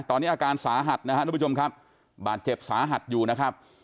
ตอนนี้อาการสาหัสนะครับทุกผู้ชมครับบาดเจ็บสาหัสอยู่นะครับ